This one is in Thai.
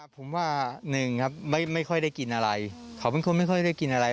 ผมว่าหนึ่งครับไม่ค่อยได้กินอะไรเขาเป็นคนไม่ค่อยได้กินอะไร